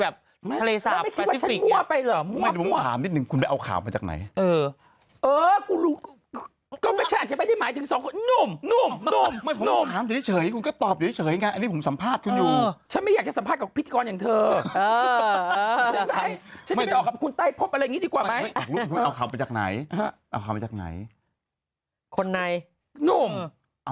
แบบไม่มีที่จะมอบไปเหรอว่าไม่นึกเล่าขาวข้างสุดท้ายสำหรับไกล